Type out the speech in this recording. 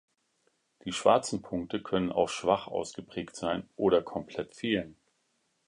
Die schwarzen Punkte können auch schwach ausgeprägt sein oder komplett fehlen.